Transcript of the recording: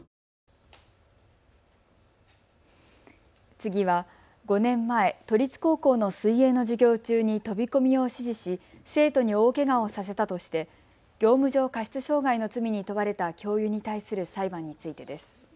次は５年前、都立高校の水泳の授業中に飛び込みを指示し生徒に大けがをさせたとして業務上過失傷害の罪に問われた教諭に対する裁判についてです。